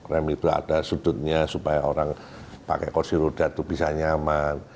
rem itu ada sudutnya supaya orang pakai kursi roda itu bisa nyaman